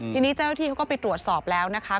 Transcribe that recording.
ทีนี้เจ้าหน้าที่เขาก็ไปตรวจสอบแล้วนะคะ